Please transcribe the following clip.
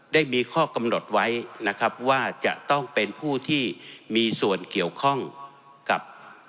ได้มีข้อกำหนดไว้นะครับว่าจะต้องเป็นผู้ที่มีส่วนเกี่ยวข้องกับ